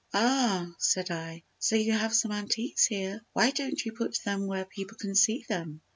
"Ah," said I, "so you have some antiques here; why don't you put them where people can see them?"